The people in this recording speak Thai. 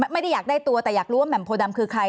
ไม่ได้อยากได้ตัวแต่อยากรู้ว่าแหม่มโพดำคือใคร